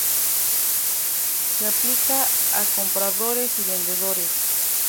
Se aplica a compradores y vendedores.